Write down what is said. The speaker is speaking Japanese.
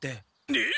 えっ？